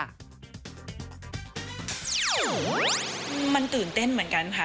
มันตื่นเต้นเหมือนกันค่ะ